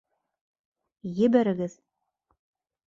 Ебәрегеҙ!